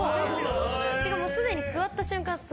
すでに座った瞬間